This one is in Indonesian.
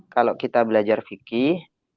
kalau kita belajar fikih